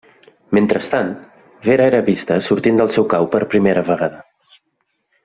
Mentrestant, Vera era vista sortint del seu cau per primera vegada.